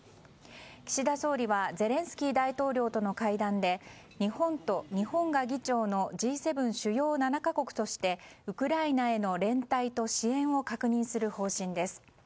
岸田総理はゼレンスキー大統領との会談で日本と日本が議長のＧ７・主要７か国としてウクライナへの連帯と支援を確認する方針です。